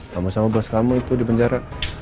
kamu sama bos kamu itu di penjara